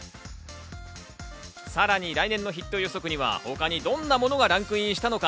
さらに来年のヒット予測には他にどんなものがランクインしたのか？